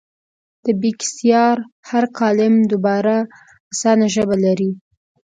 د بېکسیار هر کالم دومره اسانه ژبه لري.